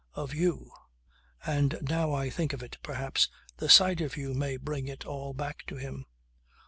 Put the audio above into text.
Of you. And now I think of it perhaps the sight of you may bring it all back to him.